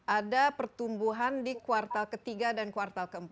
ada pertumbuhan di kuartal ke tiga dan kuartal ke empat